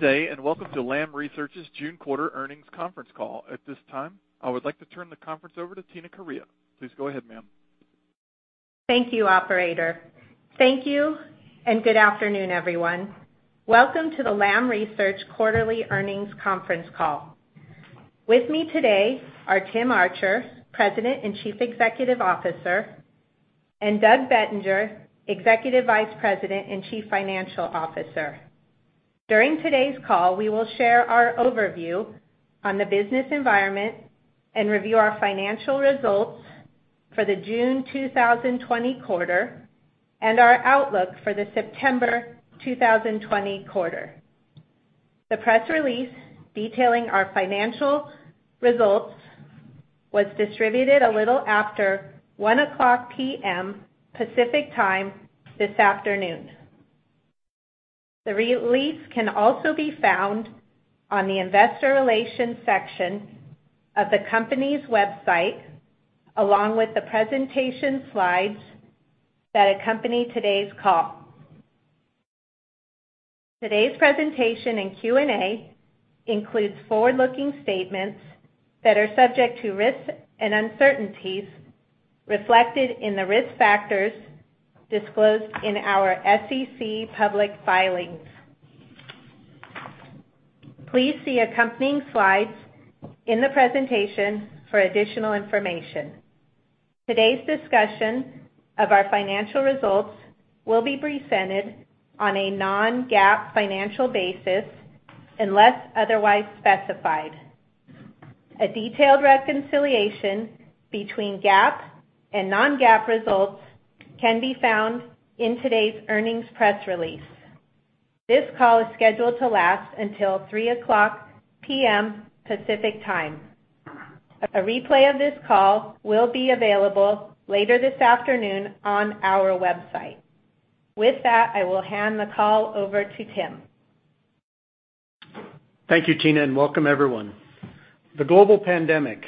Good day, and welcome to Lam Research's June quarter earnings conference call. At this time, I would like to turn the conference over to Tina Correia. Please go ahead, ma'am. Thank you, operator. Thank you, and good afternoon, everyone. Welcome to the Lam Research quarterly earnings conference call. With me today are Tim Archer, President and Chief Executive Officer, and Doug Bettinger, Executive Vice President and Chief Financial Officer. During today's call, we will share our overview on the business environment and review our financial results for the June 2020 quarter and our outlook for the September 2020 quarter. The press release detailing our financial results was distributed a little after 1:00 P.M. Pacific Time this afternoon. The release can also be found on the Investor Relations section of the company's website, along with the presentation slides that accompany today's call. Today's presentation and Q&A includes forward-looking statements that are subject to risks and uncertainties reflected in the risk factors disclosed in our SEC public filings. Please see accompanying slides in the presentation for additional information. Today's discussion of our financial results will be presented on a non-GAAP financial basis unless otherwise specified. A detailed reconciliation between GAAP and non-GAAP results can be found in today's earnings press release. This call is scheduled to last until 3:00 P.M. Pacific Time. A replay of this call will be available later this afternoon on our website. With that, I will hand the call over to Tim. Thank you, Tina, and welcome everyone. The global pandemic,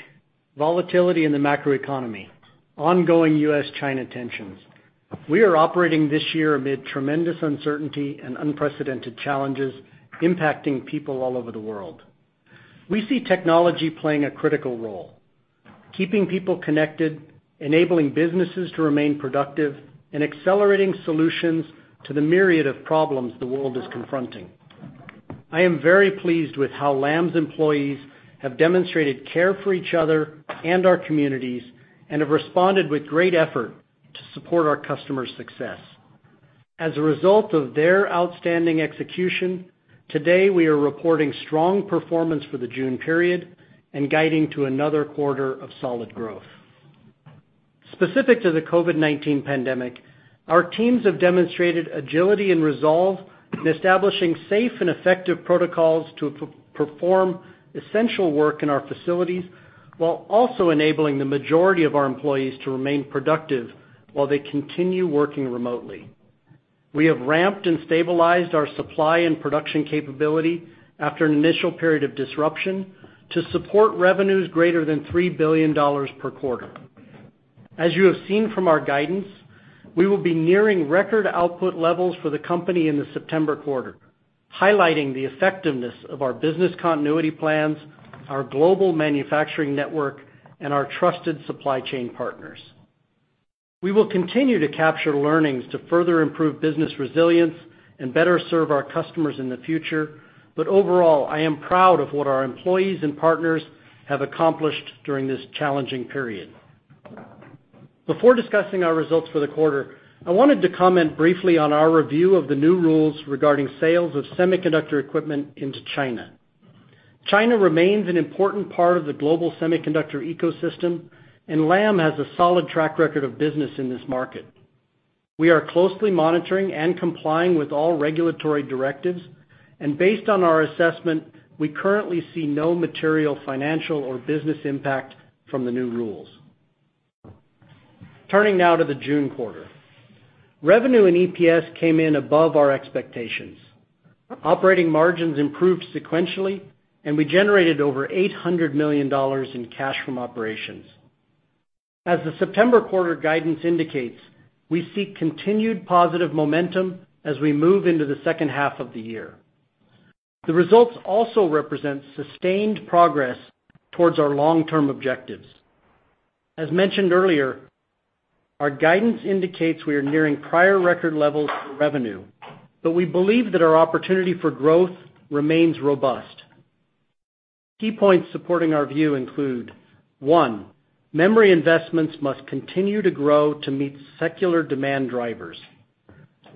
volatility in the macroeconomy, ongoing US-China tensions. We are operating this year amid tremendous uncertainty and unprecedented challenges impacting people all over the world. We see technology playing a critical role, keeping people connected, enabling businesses to remain productive and accelerating solutions to the myriad of problems the world is confronting. I am very pleased with how Lam's employees have demonstrated care for each other and our communities and have responded with great effort to support our customers' success. As a result of their outstanding execution, today, we are reporting strong performance for the June period and guiding to another quarter of solid growth. Specific to the COVID-19 pandemic, our teams have demonstrated agility and resolve in establishing safe and effective protocols to perform essential work in our facilities, while also enabling the majority of our employees to remain productive while they continue working remotely. We have ramped and stabilized our supply and production capability after an initial period of disruption to support revenues greater than $3 billion per quarter. As you have seen from our guidance, we will be nearing record output levels for the company in the September quarter, highlighting the effectiveness of our business continuity plans, our global manufacturing network, and our trusted supply chain partners. We will continue to capture learnings to further improve business resilience and better serve our customers in the future. Overall, I am proud of what our employees and partners have accomplished during this challenging period. Before discussing our results for the quarter, I wanted to comment briefly on our review of the new rules regarding sales of semiconductor equipment into China. China remains an important part of the global semiconductor ecosystem, and Lam has a solid track record of business in this market. We are closely monitoring and complying with all regulatory directives, and based on our assessment, we currently see no material financial or business impact from the new rules. Turning now to the June quarter. Revenue and EPS came in above our expectations. Operating margins improved sequentially, and we generated over $800 million in cash from operations. As the September quarter guidance indicates, we seek continued positive momentum as we move into the second half of the year. The results also represent sustained progress towards our long-term objectives. As mentioned earlier, our guidance indicates we are nearing prior record levels for revenue, but we believe that our opportunity for growth remains robust. Key points supporting our view include, one, memory investments must continue to grow to meet secular demand drivers.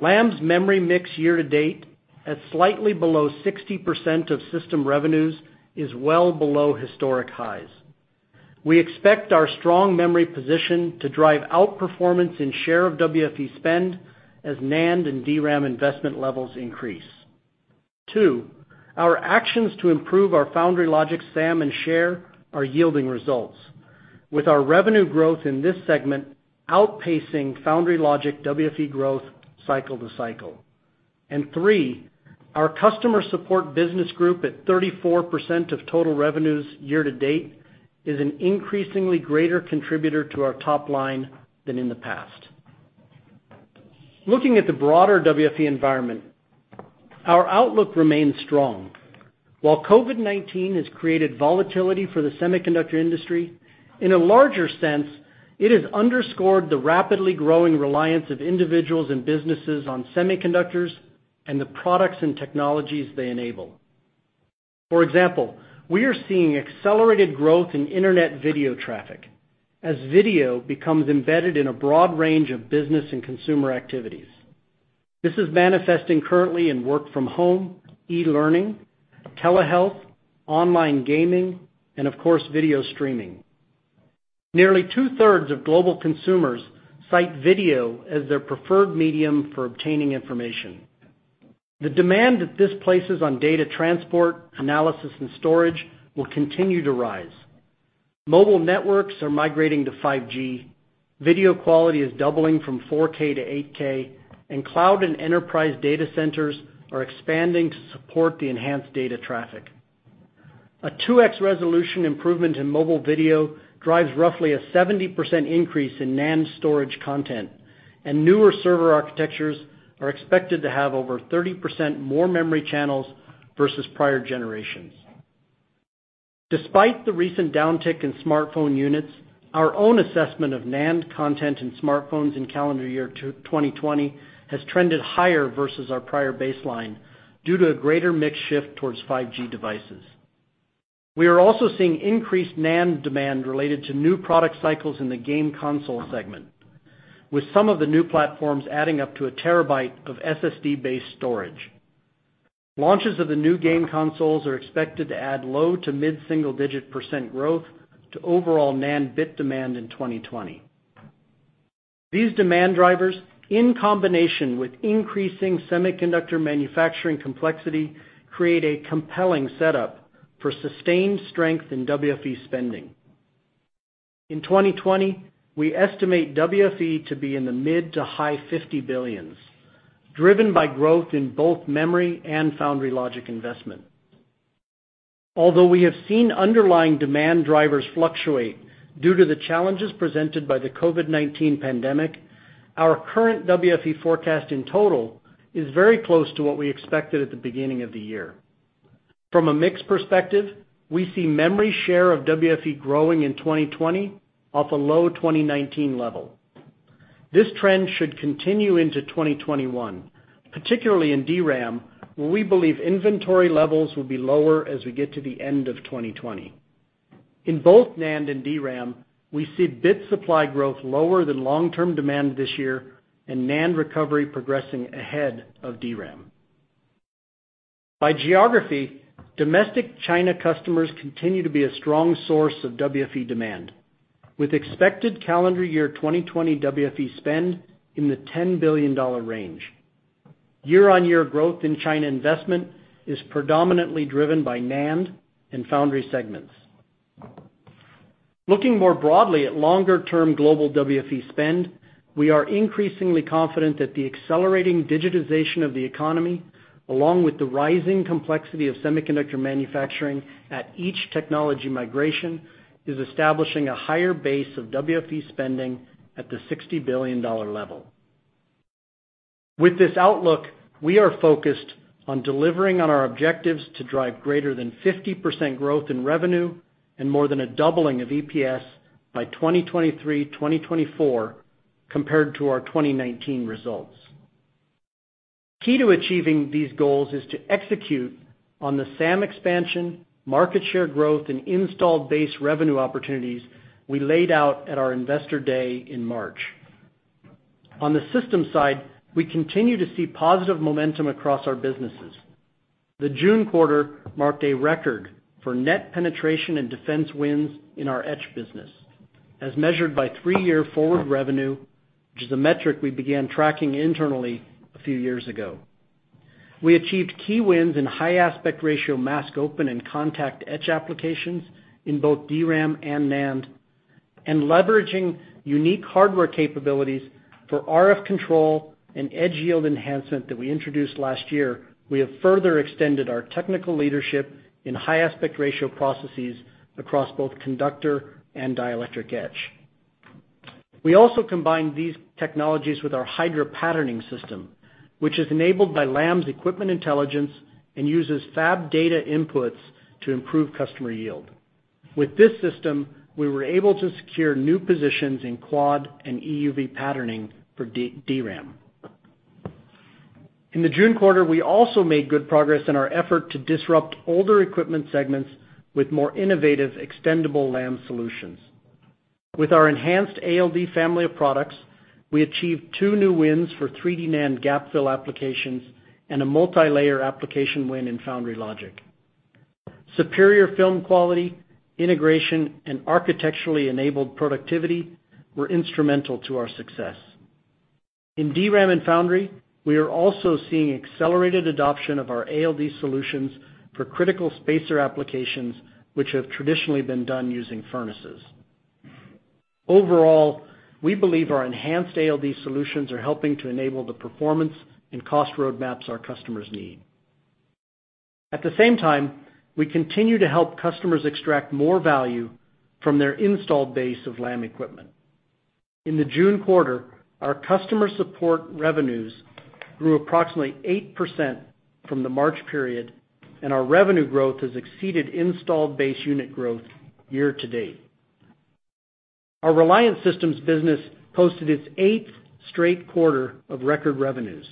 Lam's memory mix year to date at slightly below 60% of system revenues is well below historic highs. We expect our strong memory position to drive outperformance in share of WFE spend as NAND and DRAM investment levels increase. Two, our actions to improve our foundry logic SAM, and share are yielding results, with our revenue growth in this segment outpacing foundry logic WFE growth cycle to cycle. Three, our Customer Support Business Group at 34% of total revenues year to date is an increasingly greater contributor to our top line than in the past. Looking at the broader WFE environment, our outlook remains strong. While COVID-19 has created volatility for the semiconductor industry, in a larger sense, it has underscored the rapidly growing reliance of individuals and businesses on semiconductors and the products and technologies they enable. For example, we are seeing accelerated growth in internet video traffic as video becomes embedded in a broad range of business and consumer activities. This is manifesting currently in work-from-home, e-learning, telehealth, online gaming, and of course, video streaming. Nearly 2/3 of global consumers cite video as their preferred medium for obtaining information. The demand that this places on data transport, analysis, and storage will continue to rise. Mobile networks are migrating to 5G, video quality is doubling from 4K-8K, and cloud and enterprise data centers are expanding to support the enhanced data traffic. A 2X resolution improvement in mobile video drives roughly a 70% increase in NAND storage content. Newer server architectures are expected to have over 30% more memory channels versus prior generations. Despite the recent downtick in smartphone units, our own assessment of NAND content in smartphones in calendar year 2020 has trended higher versus our prior baseline due to a greater mix shift towards 5G devices. We are also seeing increased NAND demand related to new product cycles in the game console segment, with some of the new platforms adding up to a terabyte of SSD-based storage. Launches of the new game consoles are expected to add low to mid-single-digit percent growth to overall NAND bit demand in 2020. These demand drivers, in combination with increasing semiconductor manufacturing complexity, create a compelling setup for sustained strength in WFE spending. In 2020, we estimate WFE to be in the mid to high $50 billions, driven by growth in both memory and foundry logic investment. Although we have seen underlying demand drivers fluctuate due to the challenges presented by the COVID-19 pandemic, our current WFE forecast in total is very close to what we expected at the beginning of the year. From a mix perspective, we see memory share of WFE growing in 2020 off a low 2019 level. This trend should continue into 2021, particularly in DRAM, where we believe inventory levels will be lower as we get to the end of 2020. In both NAND and DRAM, we see bit supply growth lower than long-term demand this year, and NAND recovery progressing ahead of DRAM. By geography, domestic China customers continue to be a strong source of WFE demand, with expected calendar year 2020 WFE spend in the $10 billion range. year-on-year growth in China investment is predominantly driven by NAND and foundry segments. Looking more broadly at longer-term global WFE spend, we are increasingly confident that the accelerating digitization of the economy, along with the rising complexity of semiconductor manufacturing at each technology migration, is establishing a higher base of WFE spending at the $60 billion level. With this outlook, we are focused on delivering on our objectives to drive greater than 50% growth in revenue and more than a doubling of EPS by 2023, 2024 compared to our 2019 results. Key to achieving these goals is to execute on the SAM expansion, market share growth, and installed base revenue opportunities we laid out at our Investor Day in March. On the systems side, we continue to see positive momentum across our businesses. The June quarter marked a record for net penetration and defense wins in our Etch business, as measured by three-year forward revenue, which is a metric we began tracking internally a few years ago. We achieved key wins in high aspect ratio mask open and contact etch applications in both DRAM and NAND. Leveraging unique hardware capabilities for RF control and etch yield enhancement that we introduced last year, we have further extended our technical leadership in high aspect ratio processes across both conductor and dielectric etch. We also combined these technologies with our Hydra patterning system, which is enabled by Lam's equipment intelligence and uses fab data inputs to improve customer yield. With this system, we were able to secure new positions in quad and EUV patterning for DRAM. In the June quarter, we also made good progress in our effort to disrupt older equipment segments with more innovative extendable Lam solutions. With our enhanced ALD family of products, we achieved two new wins for 3D NAND gap fill applications and a multilayer application win in foundry logic. Superior film quality, integration, and architecturally enabled productivity were instrumental to our success. In DRAM and foundry, we are also seeing accelerated adoption of our ALD solutions for critical spacer applications, which have traditionally been done using furnaces. Overall, we believe our enhanced ALD solutions are helping to enable the performance and cost roadmaps our customers need. At the same time, we continue to help customers extract more value from their installed base of Lam equipment. In the June quarter, our customer support revenues grew approximately 8% from the March period. Our revenue growth has exceeded installed base unit growth year to date. Our Reliant Systems business posted its eighth straight quarter of record revenues,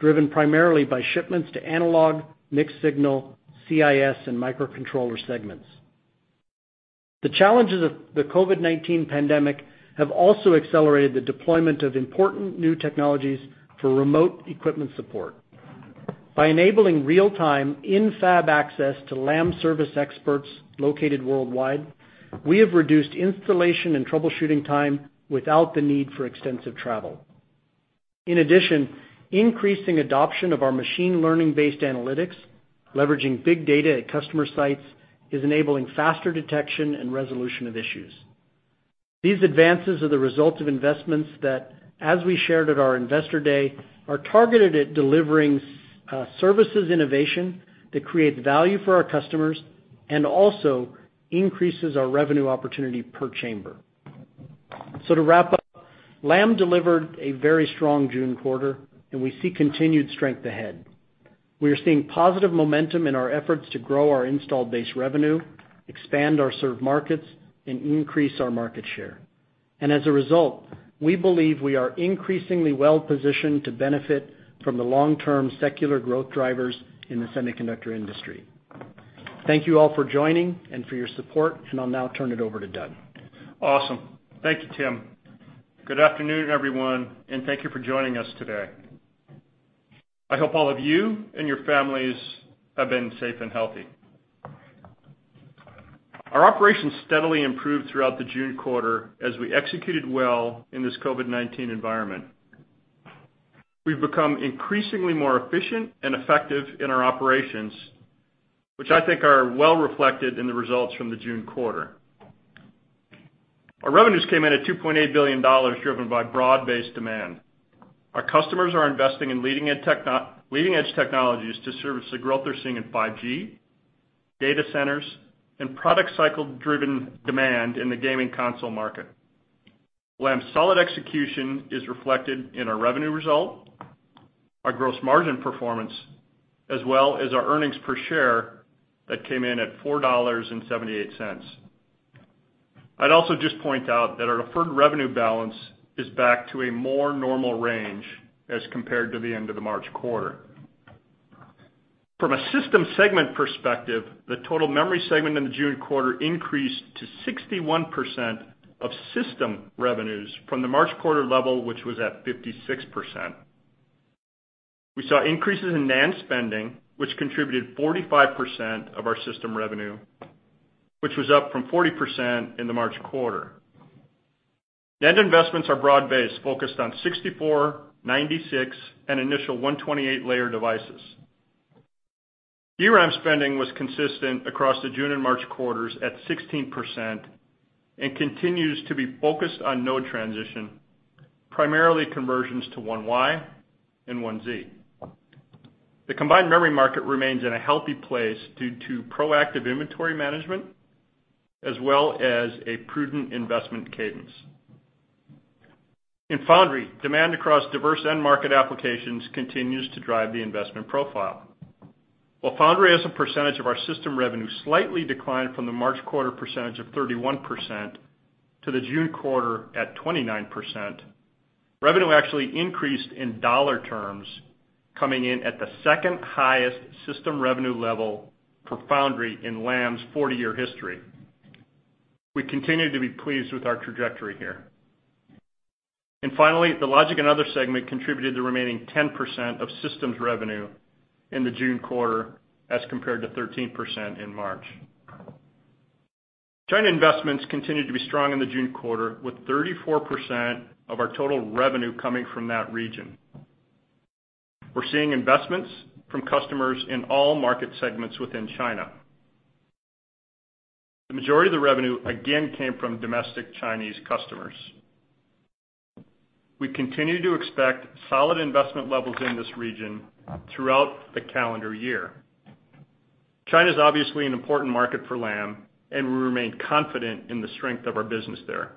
driven primarily by shipments to analog, mixed signal, CIS, and microcontroller segments. The challenges of the COVID-19 pandemic have also accelerated the deployment of important new technologies for remote equipment support. By enabling real-time in-fab access to Lam service experts located worldwide, we have reduced installation and troubleshooting time without the need for extensive travel. In addition, increasing adoption of our machine learning-based analytics, leveraging big data at customer sites, is enabling faster detection and resolution of issues. These advances are the result of investments that, as we shared at our Investor Day, are targeted at delivering services innovation that create value for our customers and also increases our revenue opportunity per chamber. To wrap up, Lam delivered a very strong June quarter, and we see continued strength ahead. We are seeing positive momentum in our efforts to grow our installed base revenue, expand our served markets, and increase our market share. As a result, we believe we are increasingly well-positioned to benefit from the long-term secular growth drivers in the semiconductor industry. Thank you all for joining and for your support, and I'll now turn it over to Doug. Awesome. Thank you, Tim. Good afternoon, everyone, and thank you for joining us today. I hope all of you and your families have been safe and healthy. Our operations steadily improved throughout the June quarter as we executed well in this COVID-19 environment. We've become increasingly more efficient and effective in our operations, which I think are well reflected in the results from the June quarter. Our revenues came in at $2.8 billion, driven by broad-based demand. Our customers are investing in leading-edge technologies to service the growth they're seeing in 5G, data centers, and product cycle-driven demand in the gaming console market. Lam's solid execution is reflected in our revenue result, our gross margin performance, as well as our earnings per share that came in at $4.78. I'd also just point out that our deferred revenue balance is back to a more normal range as compared to the end of the March quarter. From a system segment perspective, the total memory segment in the June quarter increased to 61% of system revenues from the March quarter level, which was at 56%. We saw increases in NAND spending, which contributed 45% of our system revenue, which was up from 40% in the March quarter. NAND investments are broad-based, focused on 64, 96, and initial 128-layer devices. DRAM spending was consistent across the June and March quarters at 16% and continues to be focused on node transition, primarily conversions to 1Y and 1Z. The combined memory market remains in a healthy place due to proactive inventory management, as well as a prudent investment cadence. In foundry, demand across diverse end market applications continues to drive the investment profile. While foundry as a percentage of our system revenue slightly declined from the March quarter percentage of 31% to the June quarter at 29%, revenue actually increased in dollar terms, coming in at the second highest system revenue level for foundry in Lam's 40-year history. We continue to be pleased with our trajectory here. Finally, the logic and other segment contributed to remaining 10% of systems revenue in the June quarter as compared to 13% in March. China investments continued to be strong in the June quarter, with 34% of our total revenue coming from that region. We're seeing investments from customers in all market segments within China. The majority of the revenue, again, came from domestic Chinese customers. We continue to expect solid investment levels in this region throughout the calendar year. China's obviously an important market for Lam, and we remain confident in the strength of our business there.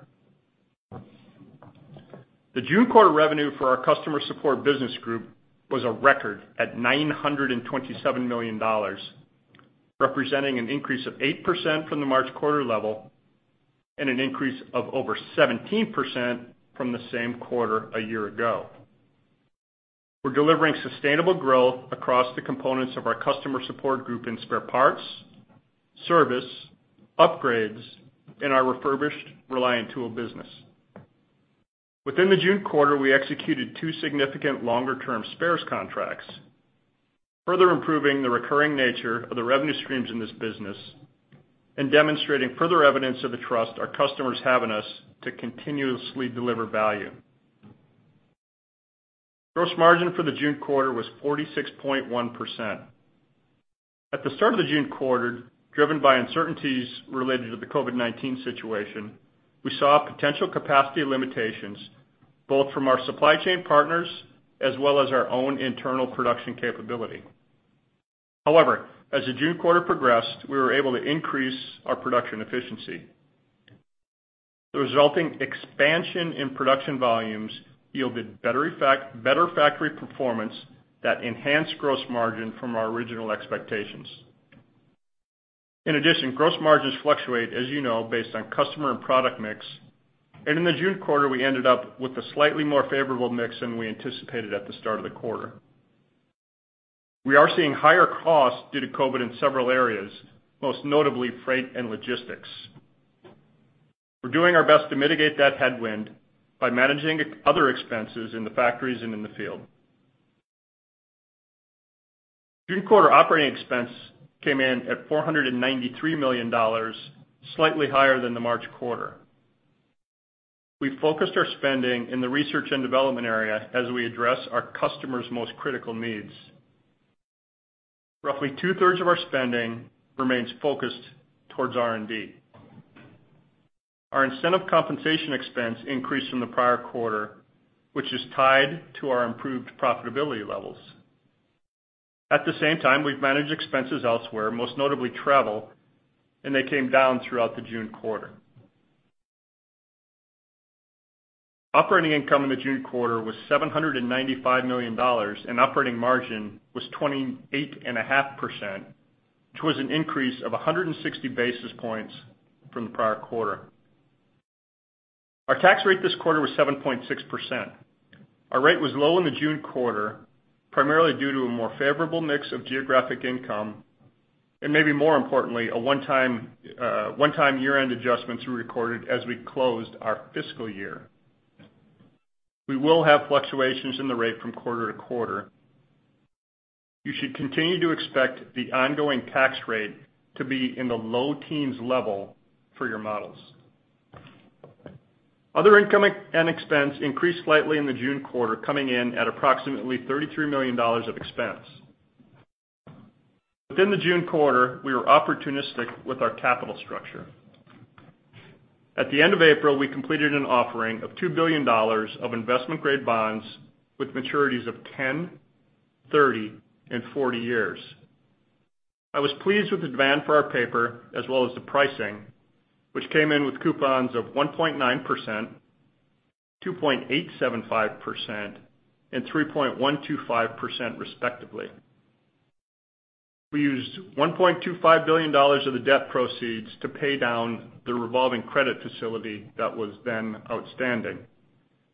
The June quarter revenue for our Customer Support Business Group was a record at $927 million, representing an increase of 8% from the March quarter level and an increase of over 17% from the same quarter a year ago. We're delivering sustainable growth across the components of our Customer Support Business Group in spare parts, service, upgrades, and our refurbished Reliant tool business. Within the June quarter, we executed two significant longer-term spares contracts, further improving the recurring nature of the revenue streams in this business and demonstrating further evidence of the trust our customers have in us to continuously deliver value. Gross margin for the June quarter was 46.1%. At the start of the June quarter, driven by uncertainties related to the COVID situation, we saw potential capacity limitations both from our supply chain partners, as well as our own internal production capability. As the June quarter progressed, we were able to increase our production efficiency. The resulting expansion in production volumes yielded better factory performance that enhanced gross margin from our original expectations. Gross margins fluctuate, as you know, based on customer and product mix. In the June quarter, we ended up with a slightly more favorable mix than we anticipated at the start of the quarter. We are seeing higher costs due to COVID in several areas, most notably freight and logistics. We're doing our best to mitigate that headwind by managing other expenses in the factories and in the field. June quarter operating expense came in at $493 million, slightly higher than the March quarter. We focused our spending in the research and development area as we address our customers' most critical needs. Roughly 2/3 of our spending remains focused towards R&D. Our incentive compensation expense increased from the prior quarter, which is tied to our improved profitability levels. At the same time, we've managed expenses elsewhere, most notably travel, and they came down throughout the June quarter. Operating income in the June quarter was $795 million, and operating margin was 28.5%, which was an increase of 160 basis points from the prior quarter. Our tax rate this quarter was 7.6%. Our rate was low in the June quarter, primarily due to a more favorable mix of geographic income and, maybe more importantly, a one-time year-end adjustment we recorded as we closed our fiscal year. We will have fluctuations in the rate from quarter to quarter. You should continue to expect the ongoing tax rate to be in the low teens level for your models. Other income and expense increased slightly in the June quarter, coming in at approximately $33 million of expense. Within the June quarter, we were opportunistic with our capital structure. At the end of April, we completed an offering of $2 billion of investment-grade bonds with maturities of 10, 30 and 40 years. I was pleased with the demand for our paper, as well as the pricing, which came in with coupons of 1.9%, 2.875% and 3.125%, respectively. We used $1.25 billion of the debt proceeds to pay down the revolving credit facility that was then outstanding.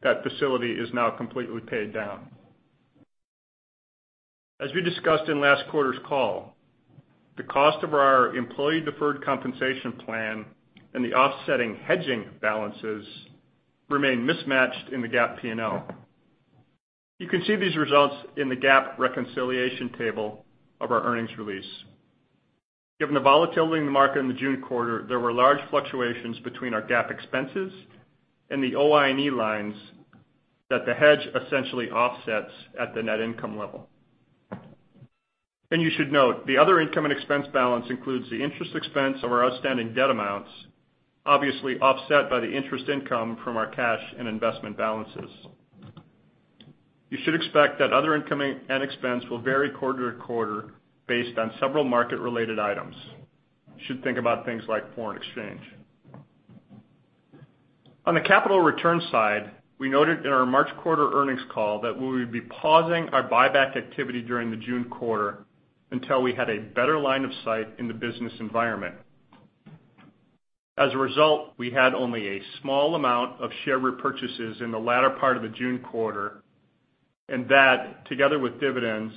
That facility is now completely paid down. As we discussed in last quarter's call, the cost of our employee deferred compensation plan and the offsetting hedging balances remain mismatched in the GAAP P&L. You can see these results in the GAAP reconciliation table of our earnings release. Given the volatility in the market in the June quarter, there were large fluctuations between our GAAP expenses and the OIE lines that the hedge essentially offsets at the net income level. You should note, the other income and expense balance includes the interest expense of our outstanding debt amounts, obviously offset by the interest income from our cash and investment balances. You should expect that other income and expense will vary quarter to quarter based on several market-related items. You should think about things like foreign exchange. On the capital return side, we noted in our March quarter earnings call that we would be pausing our buyback activity during the June quarter until we had a better line of sight in the business environment. As a result, we had only a small amount of share repurchases in the latter part of the June quarter, and that, together with dividends,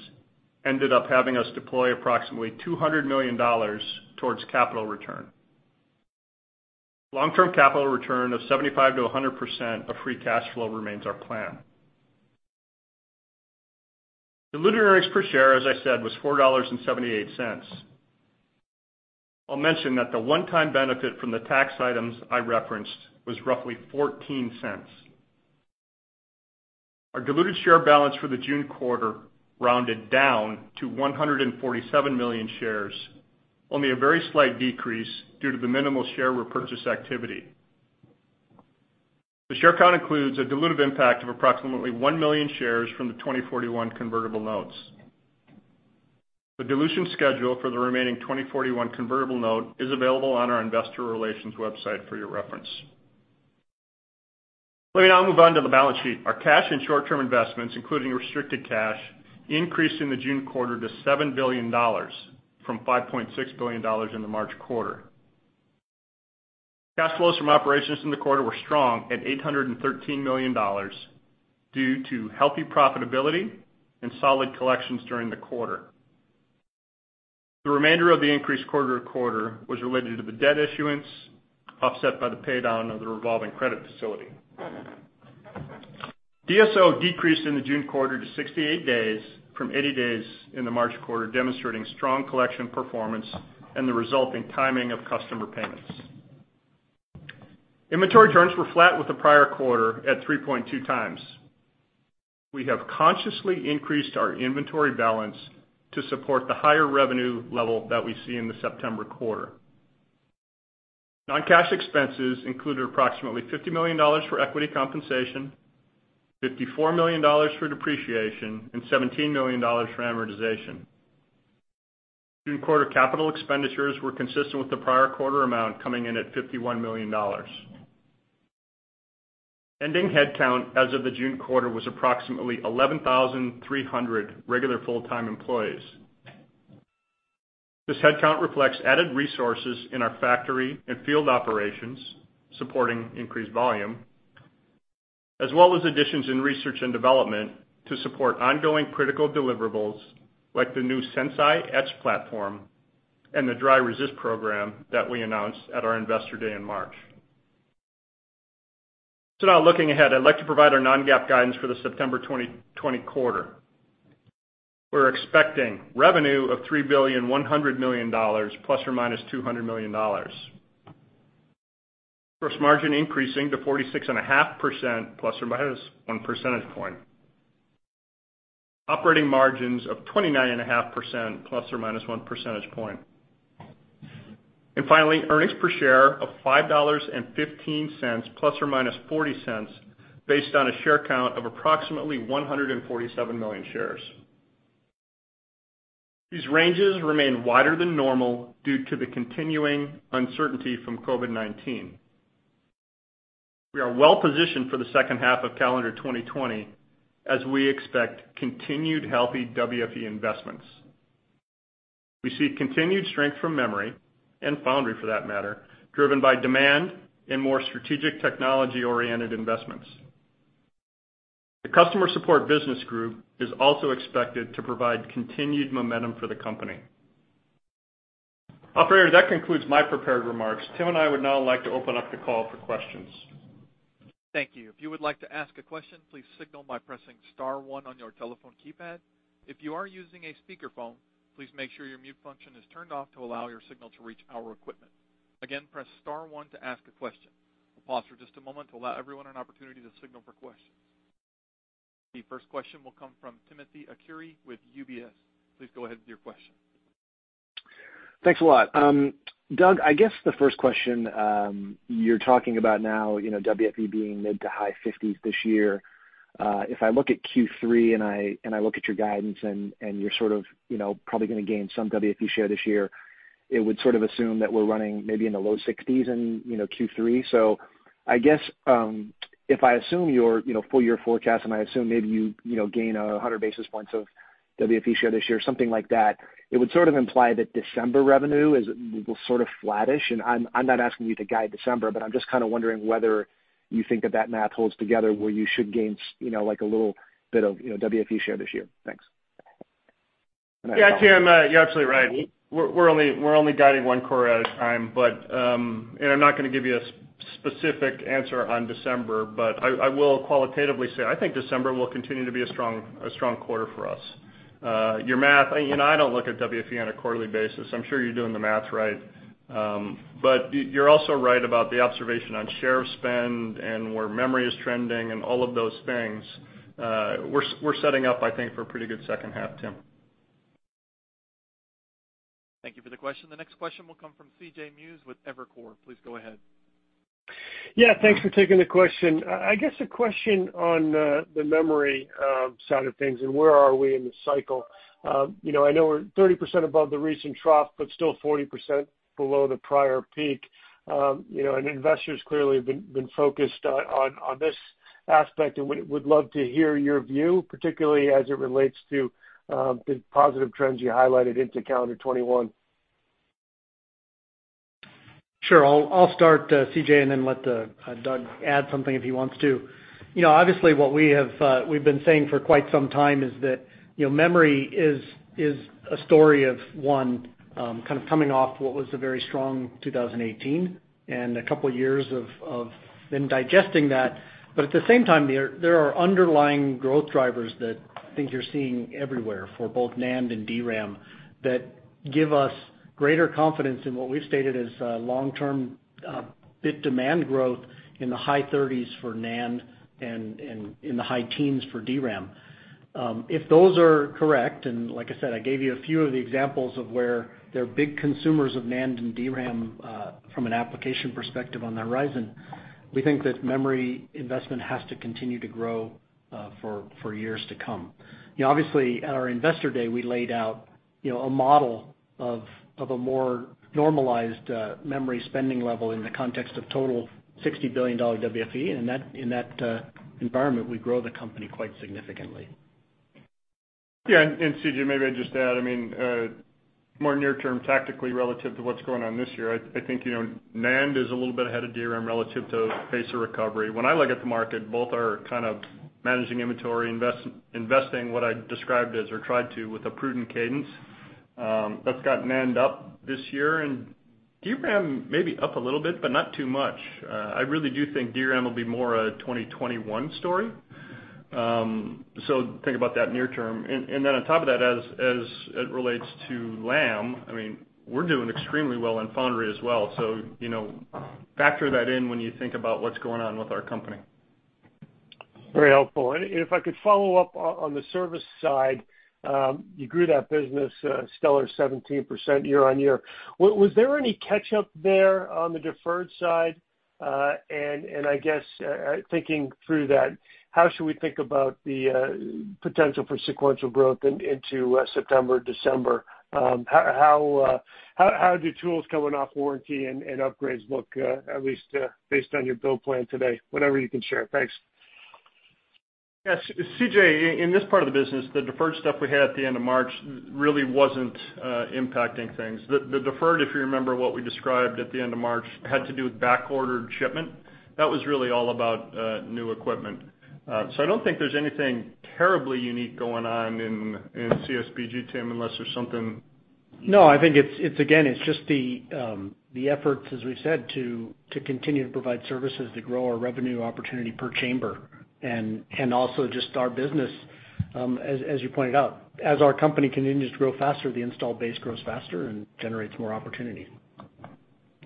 ended up having us deploy approximately $200 million towards capital return. Long-term capital return of 75%-100% of free cash flow remains our plan. Diluted earnings per share, as I said, was $4.78. I'll mention that the one-time benefit from the tax items I referenced was roughly $0.14. Our diluted share balance for the June quarter rounded down to 147 million shares, only a very slight decrease due to the minimal share repurchase activity. The share count includes a dilutive impact of approximately 1 million shares from the 2041 convertible notes. The dilution schedule for the remaining 2041 convertible note is available on our investor relations website for your reference. Let me now move on to the balance sheet. Our cash and short-term investments, including restricted cash, increased in the June quarter to $7 billion, from $5.6 billion in the March quarter. Cash flows from operations in the quarter were strong at $813 million due to healthy profitability and solid collections during the quarter. The remainder of the increase quarter to quarter was related to the debt issuance, offset by the paydown of the revolving credit facility. DSO decreased in the June quarter to 68 days from 80 days in the March quarter, demonstrating strong collection performance and the resulting timing of customer payments. Inventory turns were flat with the prior quarter at 3.2x. We have consciously increased our inventory balance to support the higher revenue level that we see in the September quarter. Non-cash expenses included approximately $50 million for equity compensation, $54 million for depreciation, and $17 million for amortization. June quarter capital expenditures were consistent with the prior quarter amount, coming in at $51 million. Ending headcount as of the June quarter was approximately 11,300 regular full-time employees. This headcount reflects added resources in our factory and field operations supporting increased volume, as well as additions in research and development to support ongoing critical deliverables like the new Sense.i etch platform and the dry resist program that we announced at our Investor Day in March. Now looking ahead, I'd like to provide our non-GAAP guidance for the September 2020 quarter. We're expecting revenue of $3.1 billion, ±$200 million. Gross margin increasing to 46.5%, ±1 percentage point. Operating margins of 29.5%, ±1 percentage point. Finally, earnings per share of $5.15, ±$0.40, based on a share count of approximately 147 million shares. These ranges remain wider than normal due to the continuing uncertainty from COVID-19. We are well-positioned for the second half of calendar 2020, as we expect continued healthy WFE investments. We see continued strength from memory, and foundry for that matter, driven by demand and more strategic technology-oriented investments. The Customer Support Business Group is also expected to provide continued momentum for the company. Operator, that concludes my prepared remarks. Tim and I would now like to open up the call for questions. Thank you. If you would like to ask a question, please signal by pressing star one on your telephone keypad. If you are using a speakerphone, please make sure your mute function is turned off to allow your signal to reach our equipment. Again, press star one to ask a question. We'll pause for just a moment to allow everyone an opportunity to signal for questions. The first question will come from Timothy Arcuri with UBS. Please go ahead with your question. Thanks a lot. Doug, I guess the first question, you're talking about now WFE being mid to high 50s this year. If I look at Q3 and I look at your guidance and you're probably going to gain some WFE share this year, it would sort of assume that we're running maybe in the low 60s in Q3. I guess, if I assume your full year forecast and I assume maybe you gain 100 basis points of WFE share this year, something like that, it would sort of imply that December revenue will sort of flattish, and I'm not asking you to guide December, but I'm just kind of wondering whether you think that that math holds together where you should gain a little bit of WFE share this year. Thanks. Yeah, Tim, you're absolutely right. We're only guiding one quarter at a time, and I'm not going to give you a specific answer on December, but I will qualitatively say, I think December will continue to be a strong quarter for us. Your math, I don't look at WFE on a quarterly basis. I'm sure you're doing the math right. You're also right about the observation on share spend and where memory is trending and all of those things. We're setting up, I think, for a pretty good second half, Tim. Thank you for the question. The next question will come from C.J. Muse with Evercore. Please go ahead. Yeah, thanks for taking the question. I guess a question on the memory side of things, and where are we in the cycle? I know we're 30% above the recent trough, but still 40% below the prior peak. Investors clearly have been focused on this aspect, and would love to hear your view, particularly as it relates to the positive trends you highlighted into calendar 2021. Sure. I'll start, C.J., and then let Doug add something if he wants to. What we've been saying for quite some time is that memory is a story of, one, kind of coming off what was a very strong 2018 and a couple of years of then digesting that. At the same time, there are underlying growth drivers that I think you're seeing everywhere for both NAND and DRAM that give us greater confidence in what we've stated as long-term bit demand growth in the high 30s for NAND and in the high teens for DRAM. If those are correct, like I said, I gave you a few of the examples of where there are big consumers of NAND and DRAM from an application perspective on the horizon. We think that memory investment has to continue to grow for years to come. Obviously at our Investor Day, we laid out a model of a more normalized memory spending level in the context of total $60 billion WFE, and in that environment, we grow the company quite significantly. Yeah. C.J., maybe I just add, more near term tactically relative to what's going on this year, I think NAND is a little bit ahead of DRAM relative to pace of recovery. When I look at the market, both are kind of managing inventory, investing what I described as, or tried to, with a prudent cadence. That's gotten NAND up this year, and DRAM maybe up a little bit, but not too much. I really do think DRAM will be more a 2021 story. Think about that near term. Then on top of that, as it relates to Lam, we're doing extremely well in foundry as well. Factor that in when you think about what's going on with our company. Very helpful. If I could follow up on the service side, you grew that business a stellar 17% year-on-year. Was there any catch-up there on the deferred side? I guess, thinking through that, how should we think about the potential for sequential growth into September, December? How do tools coming off warranty and upgrades look, at least based on your bill plan today? Whatever you can share. Thanks. Yeah. C.J., in this part of the business, the deferred stuff we had at the end of March really wasn't impacting things. The deferred, if you remember what we described at the end of March, had to do with back-ordered shipment. That was really all about new equipment. I don't think there's anything terribly unique going on in CSBG, Tim, unless there's something. No, I think, again, it's just the efforts, as we've said, to continue to provide services to grow our revenue opportunity per chamber, and also just our business, as you pointed out. As our company continues to grow faster, the installed base grows faster and generates more opportunity.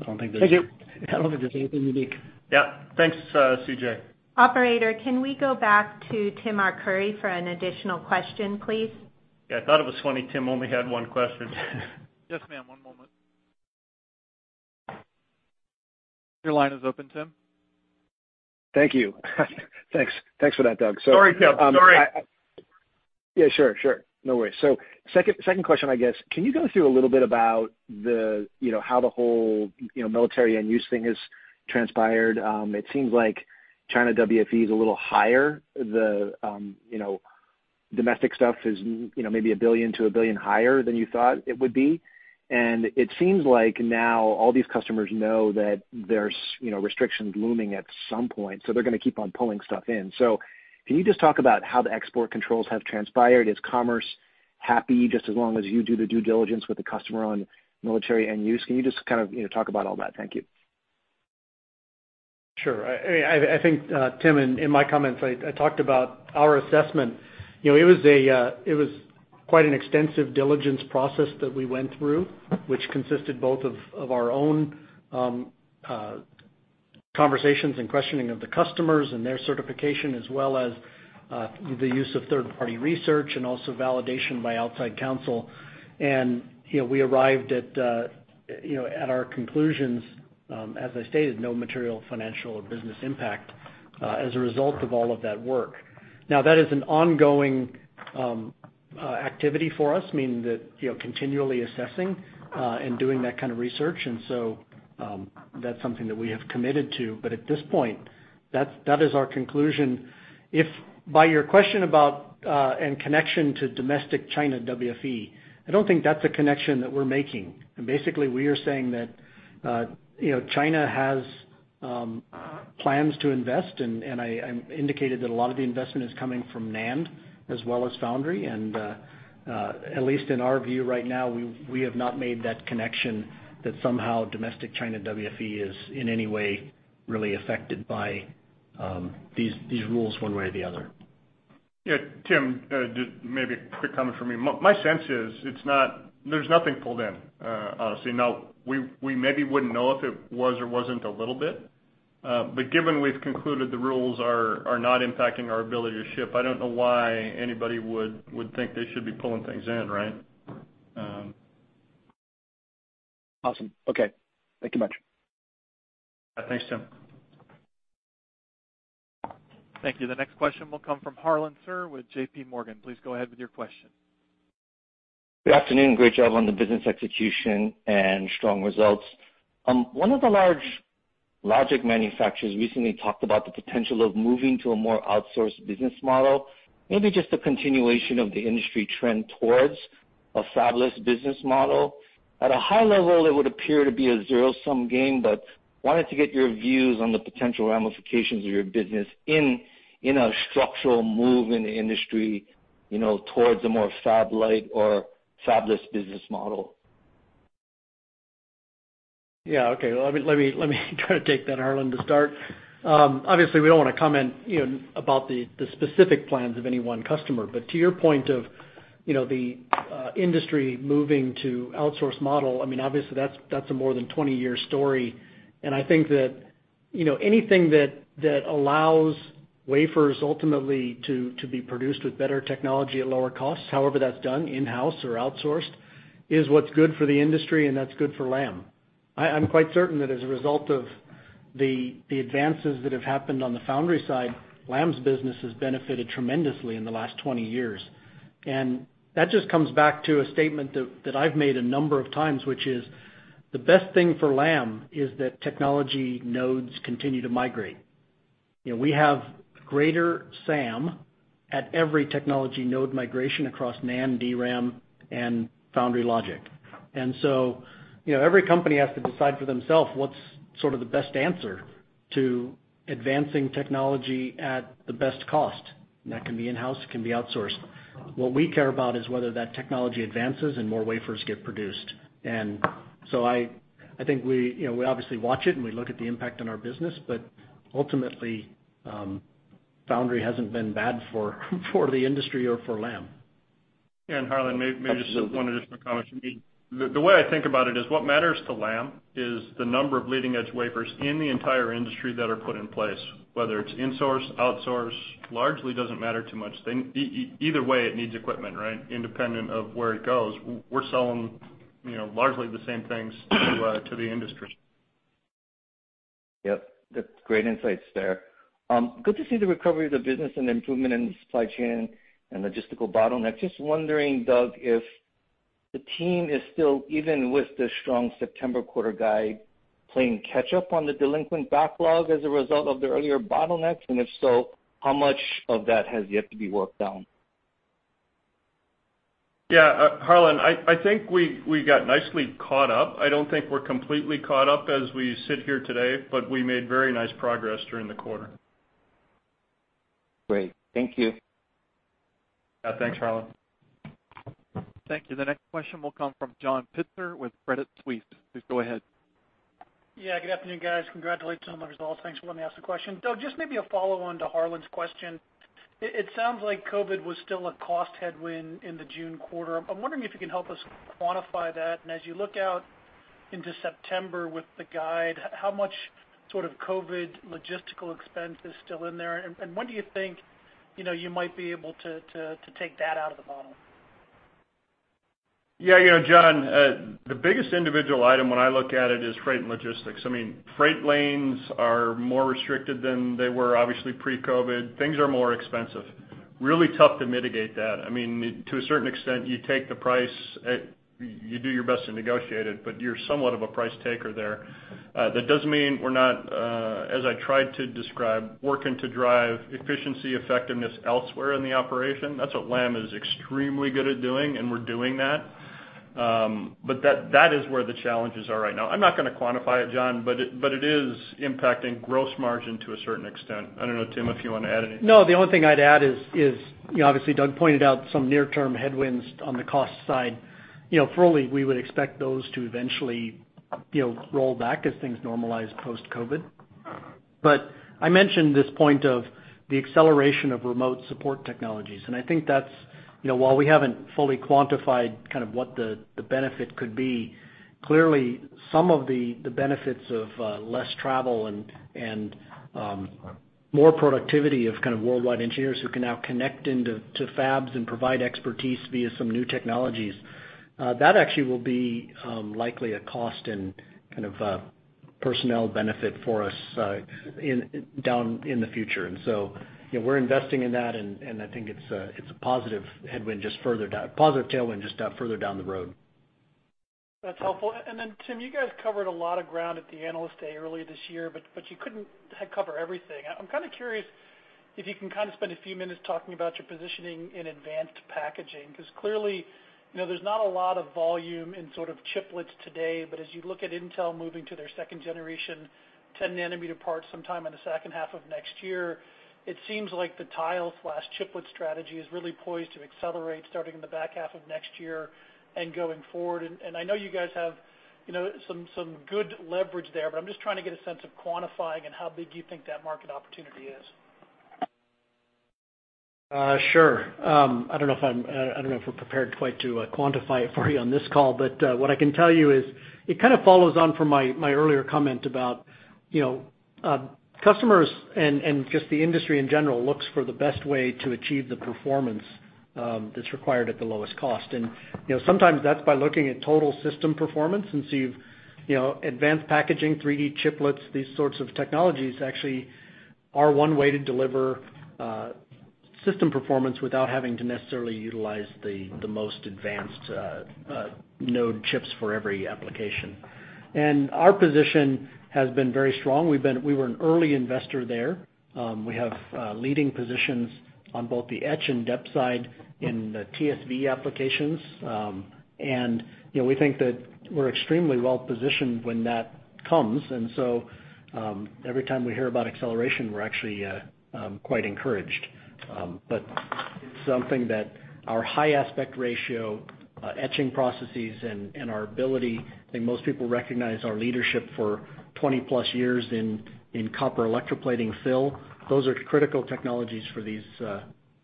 Thank you. I don't think there's anything unique. Yeah. Thanks, C.J. Operator, can we go back to Tim Arcuri for an additional question, please? Yeah, I thought it was funny Tim only had one question. Yes, ma'am. One moment. Your line is open, Tim. Thank you. Thanks for that, Doug. Sorry, Tim. Sorry. Yeah, sure. No worries. Second question, I guess. Can you go through a little bit about how the whole military end-use thing has transpired? It seems like China WFE is a little higher. The domestic stuff is maybe $1 billion-$1 billion higher than you thought it would be. It seems like now all these customers know that there's restrictions looming at some point, so they're going to keep on pulling stuff in. Can you just talk about how the export controls have transpired? Is Commerce happy just as long as you do the due diligence with the customer on military end-use? Can you just kind of talk about all that? Thank you. Sure. I think, Tim, in my comments, I talked about our assessment. It was quite an extensive diligence process that we went through, which consisted both of our own conversations and questioning of the customers and their certification, as well as the use of third-party research and also validation by outside counsel. We arrived at our conclusions, as I stated, no material financial or business impact as a result of all of that work. That is an ongoing activity for us, meaning that continually assessing and doing that kind of research, that's something that we have committed to. At this point, that is our conclusion. If by your question about, and connection to domestic China WFE, I don't think that's a connection that we're making. Basically, we are saying that China has plans to invest, and I indicated that a lot of the investment is coming from NAND as well as foundry. At least in our view right now, we have not made that connection that somehow domestic China WFE is in any way really affected by these rules one way or the other. Yeah. Tim, maybe a quick comment from me. My sense is there's nothing pulled in. Honestly, now, we maybe wouldn't know if it was or wasn't a little bit. Given we've concluded the rules are not impacting our ability to ship, I don't know why anybody would think they should be pulling things in, right? Awesome. Okay. Thank you much. Thanks, Tim. Thank you. The next question will come from Harlan Sur with JPMorgan. Please go ahead with your question. Good afternoon. Great job on the business execution and strong results. One of the large logic manufacturers recently talked about the potential of moving to a more outsourced business model, maybe just a continuation of the industry trend towards a fabless business model. At a high level, it would appear to be a zero-sum game, but wanted to get your views on the potential ramifications of your business in a structural move in the industry towards a more fab-lite or fabless business model. Yeah. Okay. Let me try to take that, Harlan, to start. Obviously, we don't want to comment about the specific plans of any one customer, but to your point of the industry moving to outsourced model, obviously that's a more than 20-year story. I think that anything that allows wafers ultimately to be produced with better technology at lower costs, however that's done, in-house or outsourced, is what's good for the industry, and that's good for Lam. I'm quite certain that as a result of the advances that have happened on the foundry side, Lam's business has benefited tremendously in the last 20 years. That just comes back to a statement that I've made a number of times, which is the best thing for Lam is that technology nodes continue to migrate. We have greater SAM at every technology node migration across NAND, DRAM, and foundry logic. Every company has to decide for themselves what's sort of the best answer to advancing technology at the best cost, and that can be in-house, it can be outsourced. What we care about is whether that technology advances and more wafers get produced. I think we obviously watch it and we look at the impact on our business, but ultimately, foundry hasn't been bad for the industry or for Lam. Harlan, maybe just one additional comment from me. The way I think about it is what matters to Lam is the number of leading-edge wafers in the entire industry that are put in place, whether it's insourced, outsourced, largely doesn't matter too much. Either way, it needs equipment, right? Independent of where it goes. We're selling largely the same things to the industry. Yep. Great insights there. Good to see the recovery of the business and improvement in supply chain and logistical bottlenecks. Just wondering, Doug, if the team is still, even with the strong September quarter guide, playing catch up on the delinquent backlog as a result of the earlier bottlenecks, and if so, how much of that has yet to be worked down? Yeah. Harlan, I think we got nicely caught up. I don't think we're completely caught up as we sit here today, but we made very nice progress during the quarter. Great. Thank you. Yeah. Thanks, Harlan. Thank you. The next question will come from John Pitzer with Credit Suisse. Please go ahead. Yeah. Good afternoon, guys. Congratulations on the results. Thanks for letting me ask the question. Doug, just maybe a follow-on to Harlan's question. It sounds like COVID was still a cost headwind in the June quarter. I'm wondering if you can help us quantify that, and as you look out into September with the guide, how much sort of COVID logistical expense is still in there? When do you think you might be able to take that out of the bottle? Yeah. John, the biggest individual item when I look at it is freight and logistics. Freight lanes are more restricted than they were, obviously pre-COVID. Things are more expensive. Really tough to mitigate that. To a certain extent, you take the price, you do your best to negotiate it, but you're somewhat of a price taker there. That doesn't mean we're not, as I tried to describe, working to drive efficiency effectiveness elsewhere in the operation. That's what Lam is extremely good at doing, and we're doing that. That is where the challenges are right now. I'm not going to quantify it, John, but it is impacting gross margin to a certain extent. I don't know, Tim, if you want to add anything. The only thing I'd add is obviously Doug pointed out some near-term headwinds on the cost side. Fully, we would expect those to eventually roll back as things normalize post-COVID-19. I mentioned this point of the acceleration of remote support technologies, and I think that's, while we haven't fully quantified kind of what the benefit could be, clearly some of the benefits of less travel and more productivity of kind of worldwide engineers who can now connect into fabs and provide expertise via some new technologies. That actually will be likely a cost and kind of a personnel benefit for us down in the future. We're investing in that, and I think it's a positive tailwind, just out further down the road. That's helpful. Tim, you guys covered a lot of ground at the Investor Day earlier this year, but you couldn't cover everything. I'm kind of curious if you can kind of spend a few minutes talking about your positioning in advanced packaging, because clearly, there's not a lot of volume in sort of chiplets today. As you look at Intel moving to their second generation 10 nanometer parts sometime in the second half of next year, it seems like the tile/chiplet strategy is really poised to accelerate starting in the back half of next year and going forward. I know you guys have some good leverage there, but I'm just trying to get a sense of quantifying and how big you think that market opportunity is. Sure. I don't know if we're prepared quite to quantify it for you on this call, but what I can tell you is it kind of follows on from my earlier comment about customers and just the industry in general looks for the best way to achieve the performance that's required at the lowest cost. Sometimes that's by looking at total system performance, so you've advanced packaging, 3D chiplets, these sorts of technologies actually are one way to deliver system performance without having to necessarily utilize the most advanced node chips for every application. Our position has been very strong. We were an early investor there. We have leading positions on both the etch and dep side in the TSV applications. We think that we're extremely well-positioned when that comes. So every time we hear about acceleration, we're actually quite encouraged. Something that our high aspect ratio etching processes and our ability, I think most people recognize our leadership for 20+ years in copper electroplating fill. Those are critical technologies for these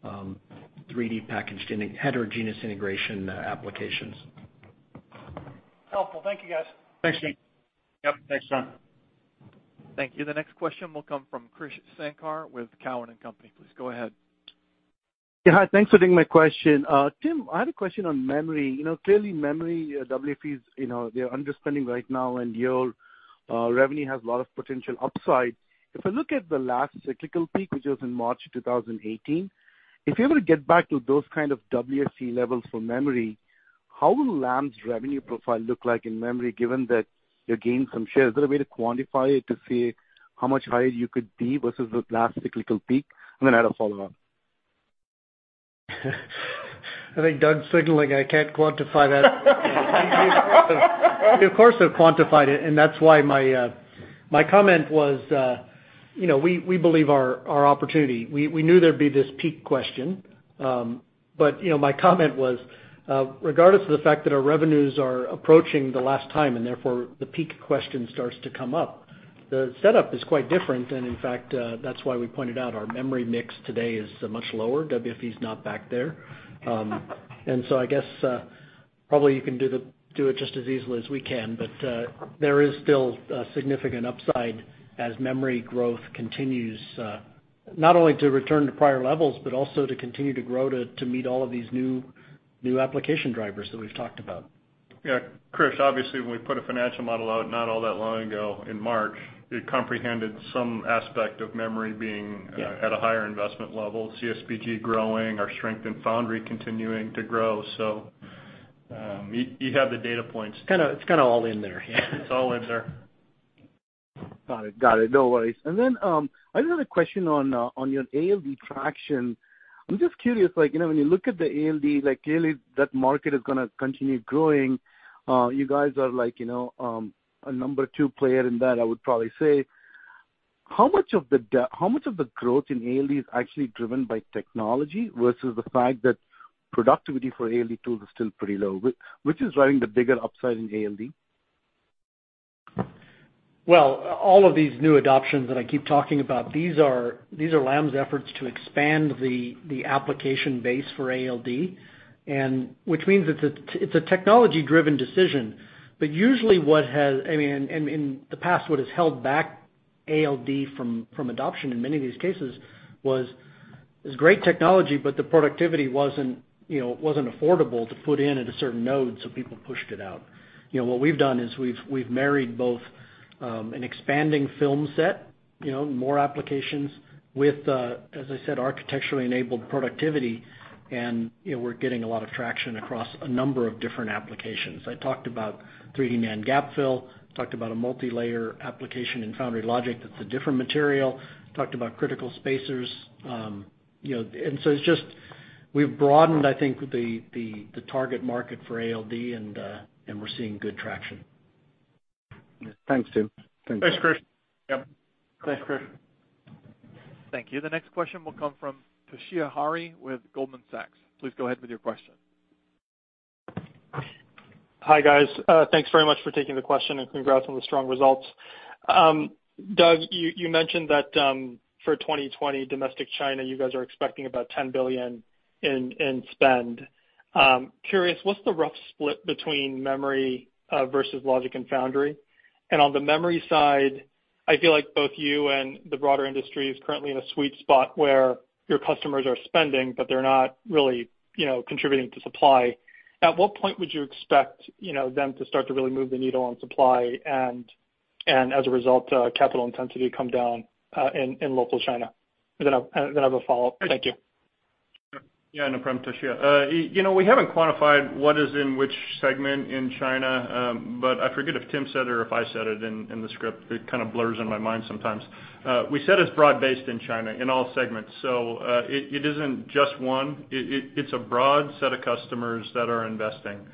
3D packaged heterogeneous integration applications. Helpful. Thank you, guys. Thanks. Yep. Thanks, John. Thank you. The next question will come from Krish Sankar with Cowen and Company. Please go ahead. Yeah. Hi. Thanks for taking my question. Tim, I had a question on memory. Clearly memory, WFE is they're underspending right now, and your revenue has a lot of potential upside. If I look at the last cyclical peak, which was in March 2018, if you were to get back to those kind of WFE levels for memory, how will Lam's revenue profile look like in memory, given that you gained some shares? Is there a way to quantify it to see how much higher you could be versus the last cyclical peak? I'm going to add a follow-on. I think Doug's signaling I can't quantify that. We of course have quantified it. That's why my comment was we believe our opportunity. We knew there'd be this peak question. My comment was, regardless of the fact that our revenues are approaching the last time, therefore the peak question starts to come up, the setup is quite different. In fact, that's why we pointed out our memory mix today is much lower. WFE is not back there. Probably you can do it just as easily as we can. There is still a significant upside as memory growth continues, not only to return to prior levels, but also to continue to grow to meet all of these new application drivers that we've talked about. Yeah. Krish, obviously, when we put a financial model out not all that long ago in March, it comprehended some aspect of memory being at a higher investment level, CSBG growing, our strength in foundry continuing to grow. You have the data points. It's kind of all in there. Yeah. Yeah. It's all in there. Got it. No worries. I just had a question on your ALD traction. I'm just curious, when you look at the ALD, clearly that market is going to continue growing. You guys are a number two player in that, I would probably say. How much of the growth in ALD is actually driven by technology versus the fact that productivity for ALD tools is still pretty low? Which is driving the bigger upside in ALD? Well, all of these new adoptions that I keep talking about, these are Lam's efforts to expand the application base for ALD, which means it's a technology-driven decision. Usually, in the past, what has held back ALD from adoption in many of these cases was, it's great technology, but the productivity wasn't affordable to put in at a certain node, so people pushed it out. What we've done is we've married both an expanding film set, more applications with, as I said, architecturally enabled productivity, and we're getting a lot of traction across a number of different applications. I talked about 3D NAND gap fill, talked about a multilayer application in foundry logic that's a different material, talked about critical spacers. We've broadened, I think, the target market for ALD, and we're seeing good traction. Thanks, Tim. Thanks, Krish. Yep. Thanks, Krish. Thank you. The next question will come from Toshiya Hari with Goldman Sachs. Please go ahead with your question. Hi, guys. Thanks very much for taking the question, and congrats on the strong results. Doug, you mentioned that for 2020, domestic China, you guys are expecting about $10 billion in spend. Curious, what's the rough split between memory versus logic and foundry? On the memory side, I feel like both you and the broader industry is currently in a sweet spot where your customers are spending, but they're not really contributing to supply. At what point would you expect them to start to really move the needle on supply, and as a result, capital intensity come down in local China? Then I have a follow-up. Thank you. Yeah, no problem, Toshiya. We haven't quantified what is in which segment in China. I forget if Tim said or if I said it in the script, it kind of blurs in my mind sometimes. We said it's broad-based in China in all segments. It isn't just one. It's a broad set of customers that are investing.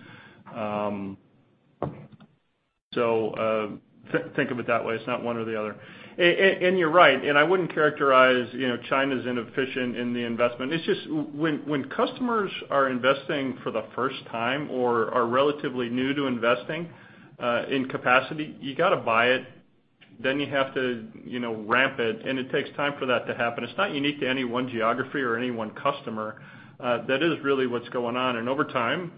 Think of it that way. It's not one or the other. You're right, and I wouldn't characterize China's inefficient in the investment. It's just when customers are investing for the first time or are relatively new to investing in capacity, you got to buy it, then you have to ramp it, and it takes time for that to happen. It's not unique to any one geography or any one customer. That is really what's going on. Over time,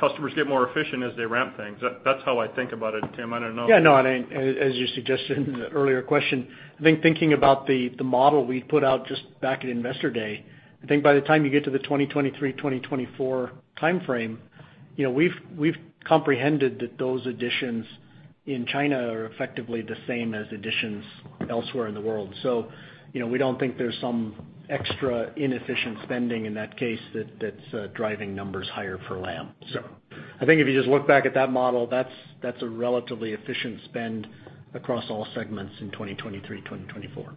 customers get more efficient as they ramp things up. That's how I think about it. Tim, I don't know. No, as you suggested in the earlier question, I think thinking about the model we put out just back at Investor Day, I think by the time you get to the 2023, 2024 timeframe, we've comprehended that those additions in China are effectively the same as additions elsewhere in the world. We don't think there's some extra inefficient spending in that case that's driving numbers higher for Lam. Yeah. I think if you just look back at that model, that's a relatively efficient spend across all segments in 2023, 2024.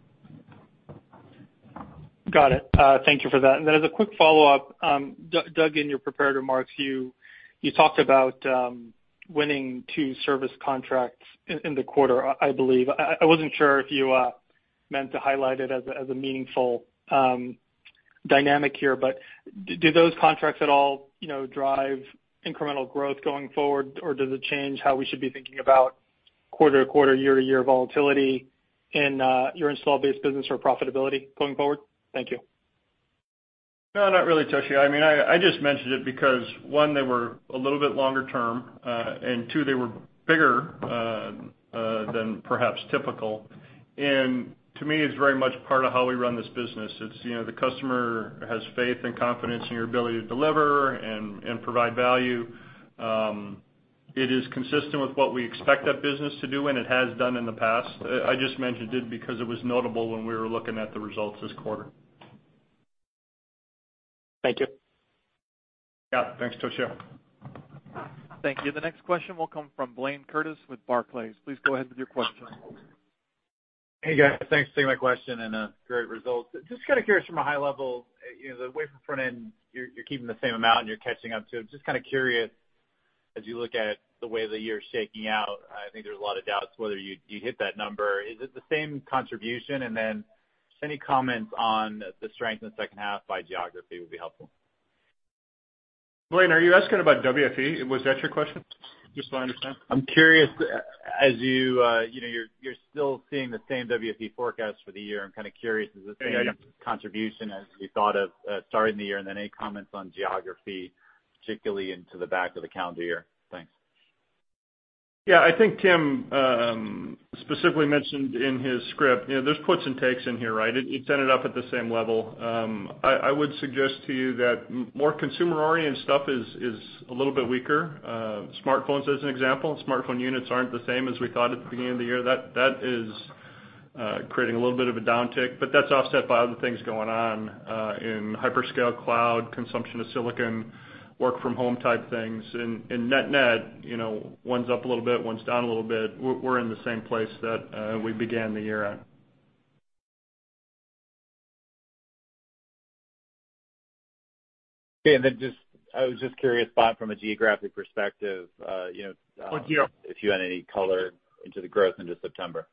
Got it. Thank you for that. Then as a quick follow-up, Doug, in your prepared remarks, you talked about winning two service contracts in the quarter, I believe. I wasn't sure if you meant to highlight it as a meaningful dynamic here, but do those contracts at all drive incremental growth going forward, or does it change how we should be thinking about quarter-to-quarter, year-to-year volatility in your install-based business or profitability going forward? Thank you. No, not really, Toshiya. I just mentioned it because, one, they were a little bit longer term, and two, they were bigger than perhaps typical. To me, it's very much part of how we run this business. The customer has faith and confidence in your ability to deliver and provide value. It is consistent with what we expect that business to do, and it has done in the past. I just mentioned it because it was notable when we were looking at the results this quarter. Thank you. Yeah. Thanks, Toshiya. Thank you. The next question will come from Blayne Curtis with Barclays. Please go ahead with your question. Hey, guys. Thanks for taking my question and great results. Just kind of curious from a high level, the wafer fab equipment, you're keeping the same amount, and you're catching up, too. Just kind of curious, as you look at the way the year's shaking out, I think there's a lot of doubts whether you hit that number. Is it the same contribution? Just any comments on the strength in the second half by geography would be helpful. Blayne, are you asking about WFE? Was that your question? Just so I understand. I'm curious, you're still seeing the same WFE forecast for the year. I'm kind of curious. Yeah contribution as we thought of starting the year, and then any comments on geography, particularly into the back of the calendar year. Thanks. I think Tim specifically mentioned in his script, there's puts and takes in here, right? It's ended up at the same level. I would suggest to you that more consumer-oriented stuff is a little bit weaker. Smartphones, as an example. Smartphone units aren't the same as we thought at the beginning of the year. That is creating a little bit of a downtick, but that's offset by other things going on, in hyperscale cloud, consumption of silicon, work-from-home type things. Net net, one's up a little bit, one's down a little bit. We're in the same place that we began the year at. Okay. I was just curious, far from a geographic perspective- Oh, geo. if you had any color into the growth into September?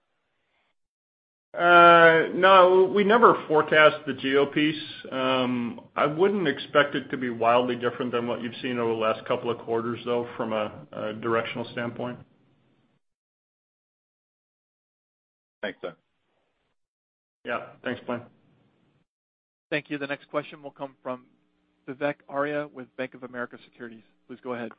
No, we never forecast the geo piece. I wouldn't expect it to be wildly different than what you've seen over the last couple of quarters, though, from a directional standpoint. Thanks, Doug. Yeah. Thanks, Blayne. Thank you. The next question will come from Vivek Arya with Bank of America Securities. Please go ahead.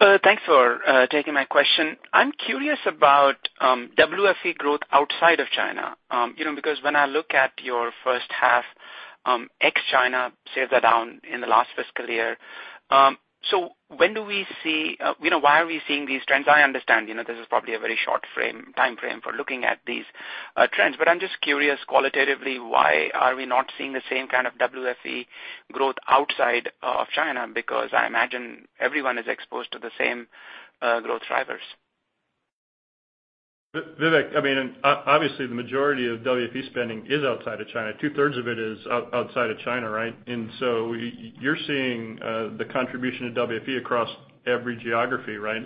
Thanks for taking my question. I'm curious about WFE growth outside of China. When I look at your first half, ex China, sales are down in the last fiscal year. Why are we seeing these trends? I understand, this is probably a very short timeframe for looking at these trends, I'm just curious, qualitatively, why are we not seeing the same kind of WFE growth outside of China? I imagine everyone is exposed to the same growth drivers. Vivek, obviously the majority of WFE spending is outside of China. 2/3 of it is outside of China, right? You're seeing the contribution of WFE across every geography, right?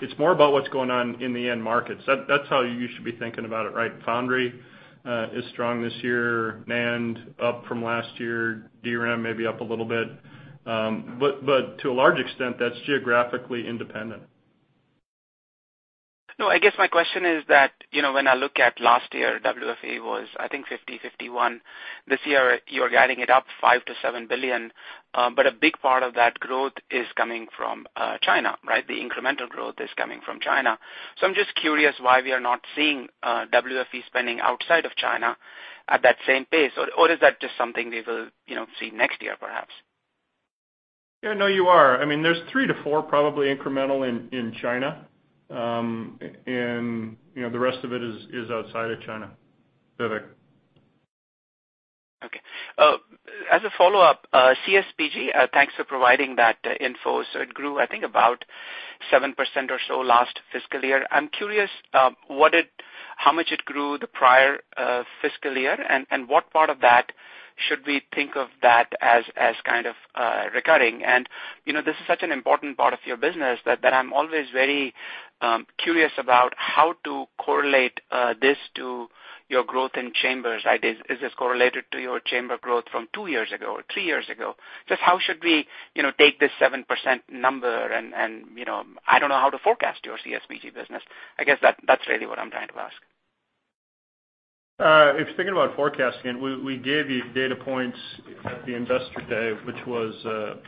It's more about what's going on in the end markets. That's how you should be thinking about it, right? Foundry is strong this year, NAND up from last year, DRAM may be up a little bit. To a large extent, that's geographically independent. I guess my question is that, when I look at last year, WFE was, I think, $50, $51. This year, you are guiding it up $5 billion-$7 billion. A big part of that growth is coming from China, right? The incremental growth is coming from China. I'm just curious why we are not seeing WFE spending outside of China at that same pace. Is that just something we will see next year, perhaps? Yeah, no, you are. There's three to four probably incremental in China. The rest of it is outside of China, Vivek. Okay. As a follow-up, CSBG, thanks for providing that info. It grew, I think, about 7% or so last fiscal year. I'm curious, how much it grew the prior fiscal year and what part of that should we think of that as recurring? This is such an important part of your business that I'm always very curious about how to correlate this to your growth in chambers. Is this correlated to your chamber growth from two years ago or three years ago? Just how should we take this 7% number, I don't know how to forecast your CSBG business. I guess that's really what I'm trying to ask. If you're thinking about forecasting, and we gave you data points at the Investor Day, which was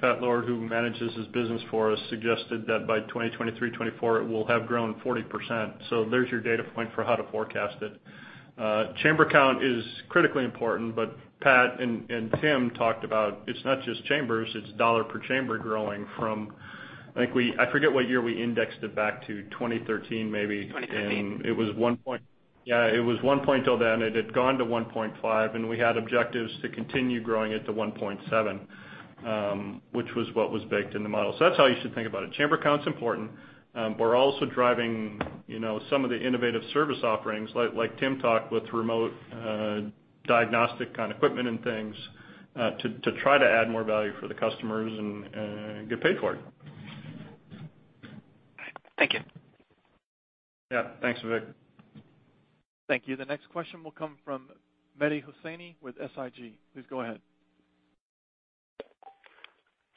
Pat Lord, who manages this business for us, suggested that by 2023, 2024, it will have grown 40%. There's your data point for how to forecast it. Chamber count is critically important, Pat and Tim talked about, it's not just chambers, it's dollar per chamber growing from, I forget what year we indexed it back to, 2013, maybe. 2013. Yeah. It was 1.2 then. It had gone to 1.5, and we had objectives to continue growing it to 1.7, which was what was baked in the model. That's how you should think about it. Chamber count's important. We're also driving some of the innovative service offerings, like Tim talked, with remote diagnostic on equipment and things, to try to add more value for the customers and get paid for it. Thank you. Yeah. Thanks, Vivek. Thank you. The next question will come from Mehdi Hosseini with SIG. Please go ahead.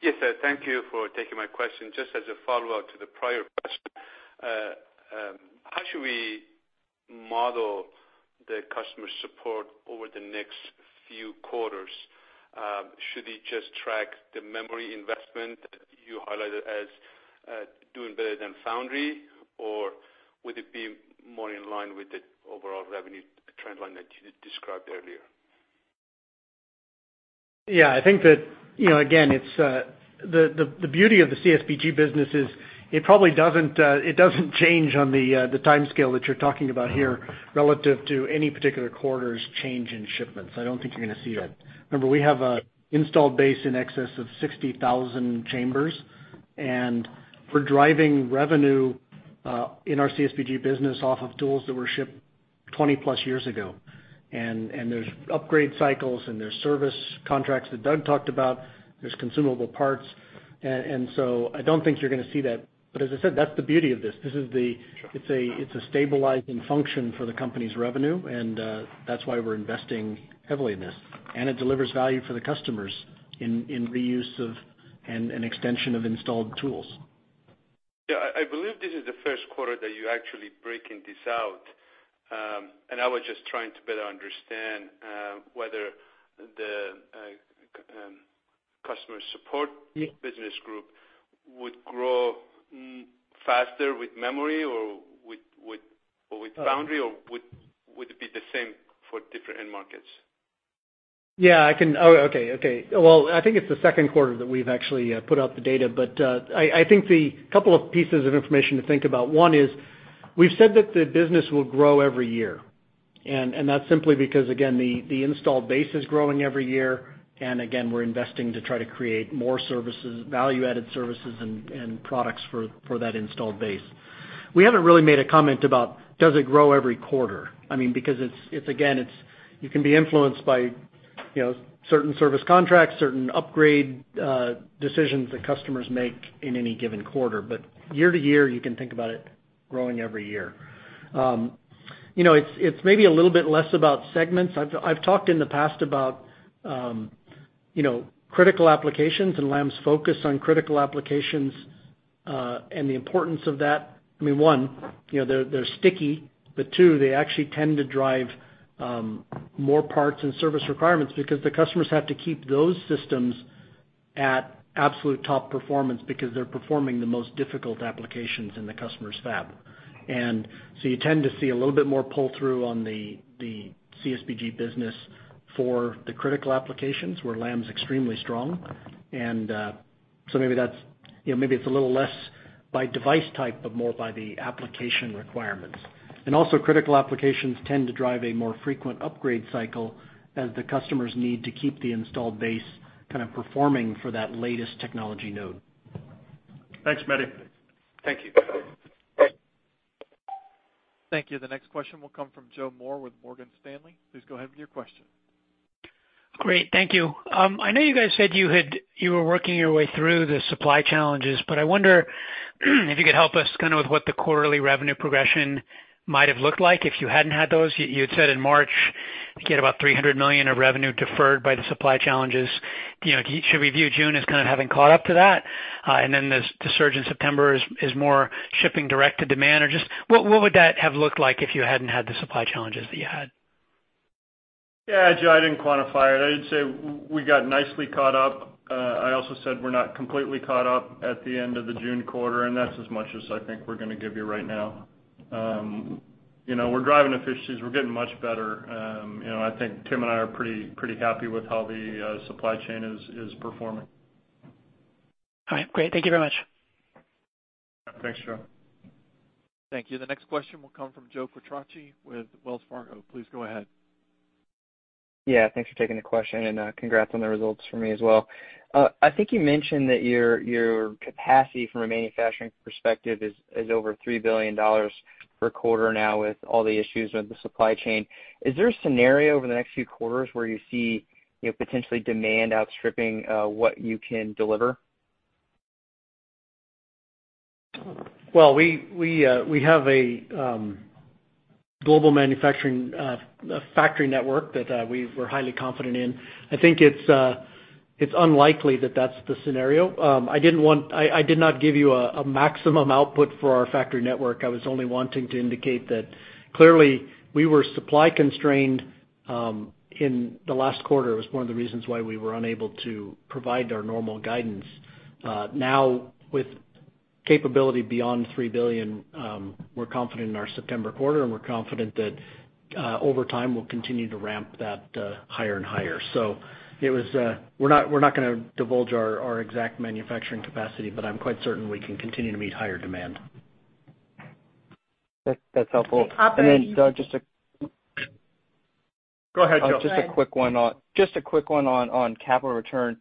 Yes, sir. Thank you for taking my question. Just as a follow-up to the prior question, how should we model the customer support over the next few quarters? Should we just track the memory investment that you highlighted as doing better than Foundry, or would it be more in line with the overall revenue trend line that you described earlier? Yeah. The beauty of the CSBG business is it doesn't change on the timescale that you're talking about here relative to any particular quarter's change in shipments. I don't think you're going to see that. Remember, we have a installed base in excess of 60,000 chambers, and we're driving revenue, in our CSBG business off of tools that were shipped 20+ years ago. There's upgrade cycles and there's service contracts that Doug talked about. There's consumable parts. I don't think you're going to see that, but as I said, that's the beauty of this. It's a stabilizing function for the company's revenue, and that's why we're investing heavily in this. It delivers value for the customers in reuse of and extension of installed tools. Yeah, I believe this is the first quarter that you're actually breaking this out. I was just trying to better understand whether the Customer Support Business Group would grow faster with memory or with foundry, or would it be the same for different end markets? Yeah, I can. Okay. Well, I think it's the second quarter that we've actually put out the data. I think the couple of pieces of information to think about. One is, we've said that the business will grow every year. That's simply because, again, the installed base is growing every year. Again, we're investing to try to create more value-added services and products for that installed base. We haven't really made a comment about does it grow every quarter, because, again, you can be influenced by certain service contracts, certain upgrade decisions that customers make in any given quarter. Year-to-year, you can think about it growing every year. It's maybe a little bit less about segments. I've talked in the past about critical applications and Lam's focus on critical applications, and the importance of that. I mean, one, they're sticky, but two, they actually tend to drive more parts and service requirements because the customers have to keep those systems at absolute top performance because they're performing the most difficult applications in the customer's fab. You tend to see a little bit more pull-through on the CSBG business for the critical applications where Lam's extremely strong. Maybe it's a little less by device type, but more by the application requirements. Also, critical applications tend to drive a more frequent upgrade cycle as the customers need to keep the installed base kind of performing for that latest technology node. Thanks, Mehdi. Thank you. Thank you. The next question will come from Joe Moore with Morgan Stanley. Please go ahead with your question. Great. Thank you. I know you guys said you were working your way through the supply challenges, but I wonder if you could help us kind of with what the quarterly revenue progression might have looked like if you hadn't had those. You had said in March you get about $300 million of revenue deferred by the supply challenges. Should we view June as kind of having caught up to that? The surge in September is more shipping direct to demand, or just what would that have looked like if you hadn't had the supply challenges that you had? Yeah, Joe, I didn't quantify it. I'd say we got nicely caught up. I also said we're not completely caught up at the end of the June quarter, and that's as much as I think we're going to give you right now. We're driving efficiencies. We're getting much better. I think Tim and I are pretty happy with how the supply chain is performing. All right, great. Thank You very much. Thanks, Joe. Thank you. The next question will come from Joe Quatrochi with Wells Fargo. Please go ahead. Yeah, thanks for taking the question, and congrats on the results from me as well. I think you mentioned that your capacity from a manufacturing perspective is over $3 billion per quarter now with all the issues with the supply chain. Is there a scenario over the next few quarters where you see potentially demand outstripping what you can deliver? Well, we have a global manufacturing factory network that we're highly confident in. I think it's unlikely that that's the scenario. I did not give you a maximum output for our factory network. I was only wanting to indicate that clearly we were supply constrained in the last quarter. It was one of the reasons why we were unable to provide our normal guidance. Now with capability beyond $3 billion, we're confident in our September quarter, and we're confident that over time, we'll continue to ramp that higher and higher. We're not going to divulge our exact manufacturing capacity, but I'm quite certain we can continue to meet higher demand. That's helpful. Doug, Go ahead, Joe. just a quick one on capital return.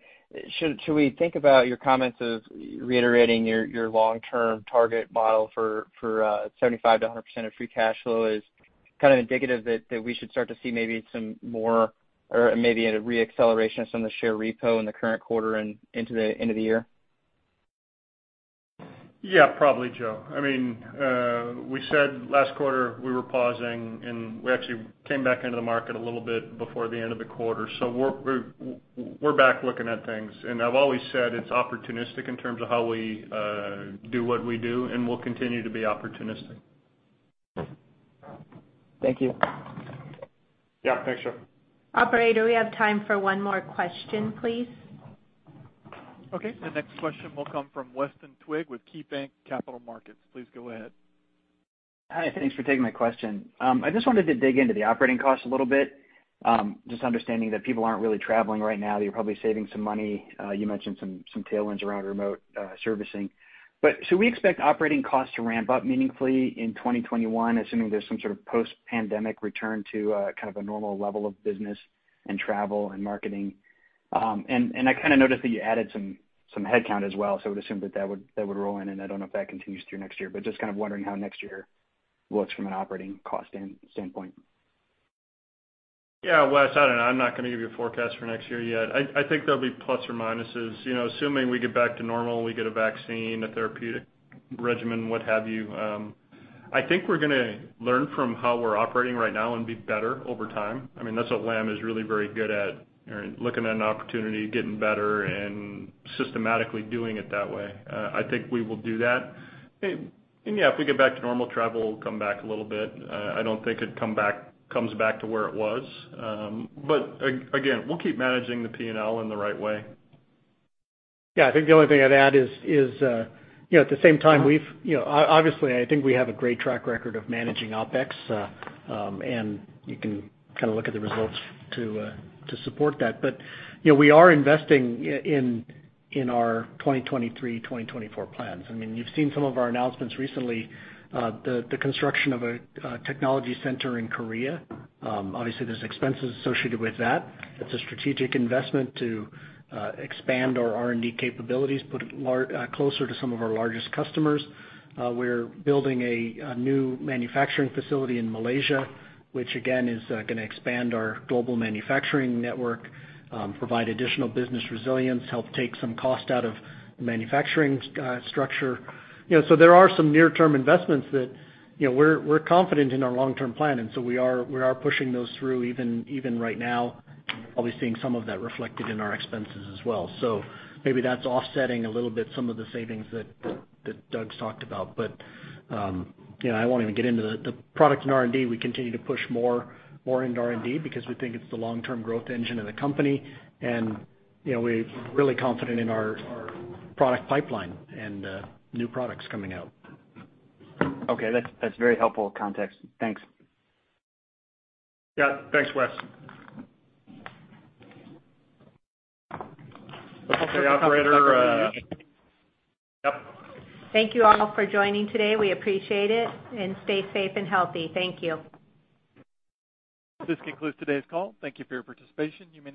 Should we think about your comments of reiterating your long-term target model for 75%-100% of free cash flow as kind of indicative that we should start to see maybe some more or maybe a re-acceleration of some of the share repo in the current quarter and into the end of the year? Yeah, probably, Joe. We said last quarter we were pausing, and we actually came back into the market a little bit before the end of the quarter. We're back looking at things, and I've always said it's opportunistic in terms of how we do what we do, and we'll continue to be opportunistic. Thank you. Yeah, thanks, Joe. Operator, we have time for one more question, please. Okay, the next question will come from Weston Twigg with KeyBanc Capital Markets. Please go ahead. Hi, thanks for taking my question. I just wanted to dig into the operating costs a little bit. Just understanding that people aren't really traveling right now, that you're probably saving some money. You mentioned some tailwinds around remote servicing. Should we expect operating costs to ramp up meaningfully in 2021, assuming there's some sort of post-pandemic return to kind of a normal level of business and travel and marketing? I kind of noticed that you added some headcount as well, so I would assume that that would roll in, and I don't know if that continues through next year, but just kind of wondering how next year looks from an operating cost standpoint. Yeah, Wes, I don't know. I'm not going to give you a forecast for next year yet. I think there'll be plus or minuses. Assuming we get back to normal, we get a vaccine, a therapeutic regimen, what have you. I think we're going to learn from how we're operating right now and be better over time. That's what Lam is really very good at, looking at an opportunity, getting better, and systematically doing it that way. I think we will do that. Yeah, if we get back to normal, travel will come back a little bit. I don't think it comes back to where it was. Again, we'll keep managing the P&L in the right way. I think the only thing I'd add is, at the same time, obviously, I think we have a great track record of managing OpEx, and you can kind of look at the results to support that. We are investing in our 2023, 2024 plans. You've seen some of our announcements recently, the construction of a technology center in Korea. Obviously, there's expenses associated with that. It's a strategic investment to expand our R&D capabilities, put it closer to some of our largest customers. We're building a new manufacturing facility in Malaysia, which again, is going to expand our global manufacturing network, provide additional business resilience, help take some cost out of the manufacturing structure. There are some near-term investments that we're confident in our long-term plan in, so we are pushing those through even right now, probably seeing some of that reflected in our expenses as well. Maybe that's offsetting a little bit some of the savings that Doug's talked about. I won't even get into the product and R&D. We continue to push more into R&D because we think it's the long-term growth engine of the company, and we're really confident in our product pipeline and new products coming out. Okay. That's very helpful context. Thanks. Yeah. Thanks, Wes. Okay, operator. Yep. Thank you all for joining today. We appreciate it, and stay safe and healthy. Thank you. This concludes today's call. Thank you for your participation. You may now disconnect.